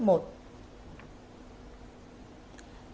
báo số một